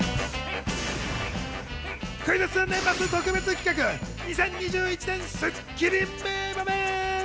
クイズッス年末特別企画２０２１年スッキリ名場面！